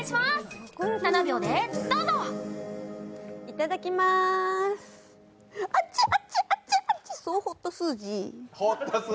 いただきまーす。